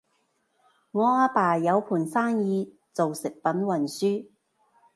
阿爸有盤生意做食品運輸